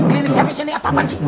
klinik sampe sini apaan sih